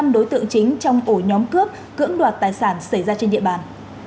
năm đối tượng chính trong ổ nhóm cướp cưỡng đoạt tài sản xảy ra trên địa bàn